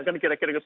kan kira kira gitu